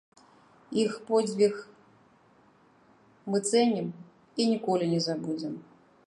Іх подзвіг мы цэнім і ніколі не забудзем.